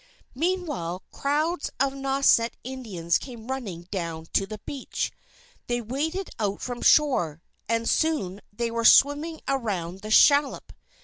Meanwhile, crowds of Nauset Indians came running down to the beach. They waded out from shore; and soon they were swarming around the shallop.